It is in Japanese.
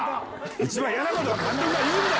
一番嫌なことは監督が言うんだ！